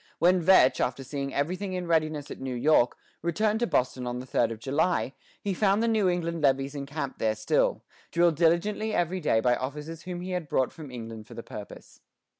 When Vetch, after seeing everything in readiness at New York, returned to Boston on the third of July, he found the New England levies encamped there still, drilled diligently every day by officers whom he had brought from England for the purpose.